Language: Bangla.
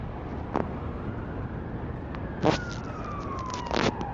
আমি ভয় পাচ্ছি, সাঙ্গেয়া।